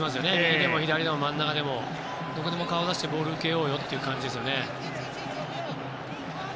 右でも左でも真ん中でもどこでも顔を出してボールを受けようよという感じですね。